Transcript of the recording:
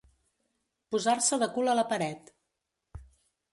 Posar-se de cul a la paret.